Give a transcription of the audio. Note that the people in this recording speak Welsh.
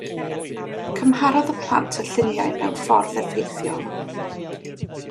Cymharodd y plant y lluniau mewn ffordd effeithiol.